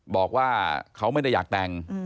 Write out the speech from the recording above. บอกว่าเขาไม่ได้อยากแต่ง